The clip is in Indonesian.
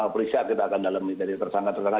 periksa kita akan dalami dari tersangka tersangka